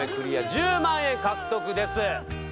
１０万円獲得です。